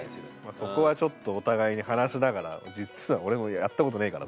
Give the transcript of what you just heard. そこはちょっとお互いに話しながら「実は俺もやったことねえから」